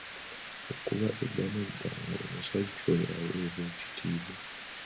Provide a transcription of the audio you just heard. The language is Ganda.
Okuva edda n'edda nga omusajja oyo aweebwa ekitiibwa.